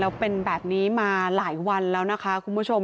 แล้วเป็นแบบนี้มาหลายวันแล้วนะคะคุณผู้ชม